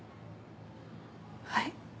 はい